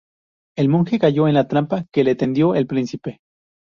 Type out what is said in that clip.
El monje cayó en la trampa que le tendió el príncipe.